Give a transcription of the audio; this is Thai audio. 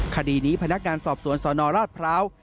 คดีนี้พนักงานสอบสวนสนราชพร้าว